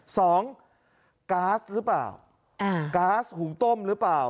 สองแก๊สหรือเปล่าแก๊สหุ่งต้มหรือเปล่า